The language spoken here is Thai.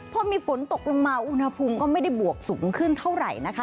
พอมีฝนตกลงมาอุณหภูมิก็ไม่ได้บวกสูงขึ้นเท่าไหร่นะคะ